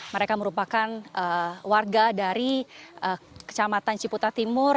mereka merupakan warga dari kecamatan ciputa timur